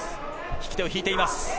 引き手を引いています。